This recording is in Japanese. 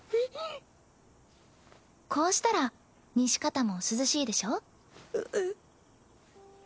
こうしたら西片も涼しいでしょ？